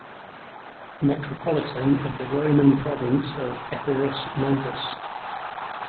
Metropolitan of the Roman province of Epirus Novus.